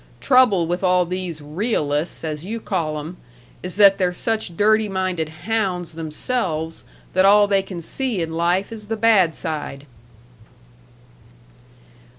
Trouble with all these 'realists' as you call 'em, is that they're such dirty minded hounds themselves that all they can see in life is the bad side."